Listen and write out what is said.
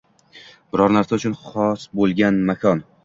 Biror narsa uchun xos boʻlgan joy, makon